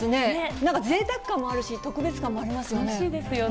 なんかぜいたく感もあるし、特別感もありますよね。